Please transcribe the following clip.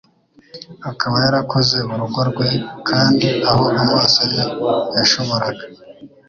akaba yarakoze urugo rwe kandi aho amaso ye yashoboraga